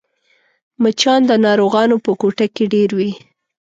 مچان د ناروغانو په کوټه کې ډېر وي